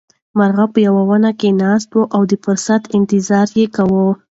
مرغۍ په یوه ونه کې ناسته وه او د فرصت انتظار یې کاوه.